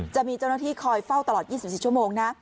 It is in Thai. จะมีเจ้าหน้าที่คอยเฝ้าตลอด๒๔ชั่วโมงนะ